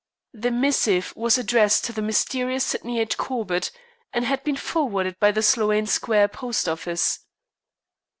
The missive was addressed to the mysterious Sydney H. Corbett, and had been forwarded by the Sloane Square Post Office.